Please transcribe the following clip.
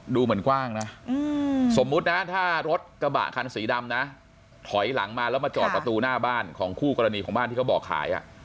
ดูเหมือนกว้างนะสมมุตินะถ้ารถกระบะคันสีดำนะถอยหลังมาแล้วมาจอดประตูหน้าบ้านของคู่กรณีของบ้านที่เขาบอกขาย